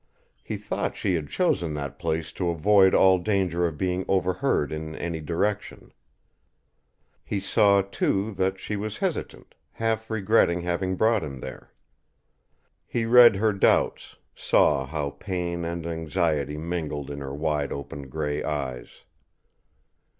He thought she had chosen that place to avoid all danger of being overheard in any direction. He saw, too, that she was hesitant, half regretting having brought him there. He read her doubts, saw how pain and anxiety mingled in her wide open grey eyes.